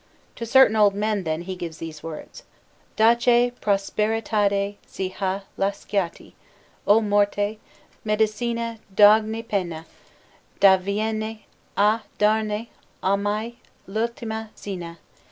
To certain old men, then, he gives these words: DACCHÈ PROSPERITADE CI HA LASCIATI, O MORTE, MEDICINA D' OGNI PENA, DEH VIENI A DARNE OMAI L' ULTIMA CENA!